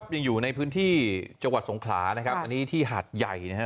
ยังอยู่ในพื้นที่จังหวัดสงขลานะครับอันนี้ที่หาดใหญ่นะฮะ